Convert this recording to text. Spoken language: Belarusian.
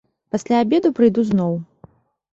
Пасля абеду прыйду зноў.